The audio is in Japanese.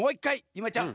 ゆめちゃん